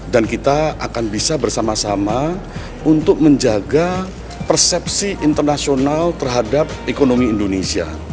dan kita akan bisa bersama sama untuk menjaga persepsi internasional terhadap ekonomi indonesia